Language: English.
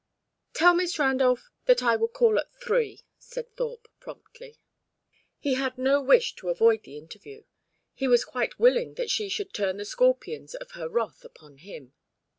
"Tell Miss Randolph that I will call at three," said Thorpe, promptly. He had no wish to avoid the interview; he was quite willing that she should turn the scorpions of her wrath upon him.